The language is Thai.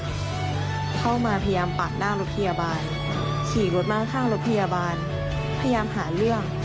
เข้ามาพยายามปาดหน้ารถพยาบาลขี่รถมาข้างรถพยาบาลพยายามหาเรื่อง